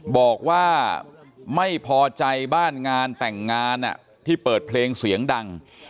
บอกว่าไม่พอใจบ้านงานแต่งงานที่เปิดเพลงเสียงดัง